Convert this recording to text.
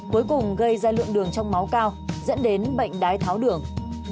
cuối cùng gây ra lượng đường trong máu cao dẫn đến bệnh đái tháo đường